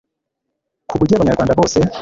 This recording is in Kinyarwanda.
ku buryo abanyarwanda bose